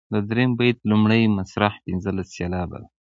د دریم بیت لومړۍ مصرع پنځلس سېلابه ده.